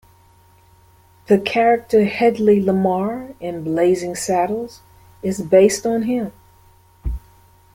The character Hedley Lamarr in "Blazing Saddles" is based on him.